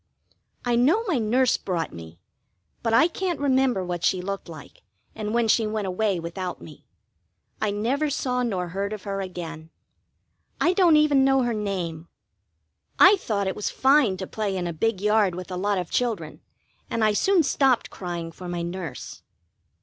I know my nurse brought me, but I can't remember what she looked like, and when she went away without me: I never saw nor heard of her again. I don't even know her name. I thought it was fine to play in a big yard with a lot of children, and I soon stopped crying for my nurse.